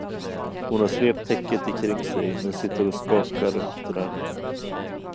Hon har svept täcket ikring sig, men sitter och skakar och huttrar.